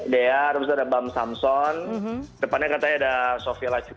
dea terus ada bam samson depannya katanya ada sofy laju